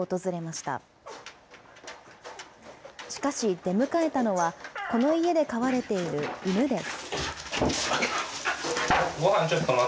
しかし、出迎えたのは、この家で飼われている犬です。